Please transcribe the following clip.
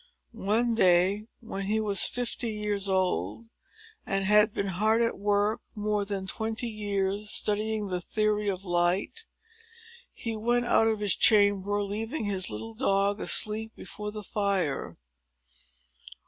One day, when he was fifty years old, and had been hard at work more than twenty years, studying the theory of Light, he went out of his chamber, leaving his little dog asleep before the fire.